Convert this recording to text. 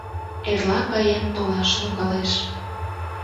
Эрла каен толаш логалеш...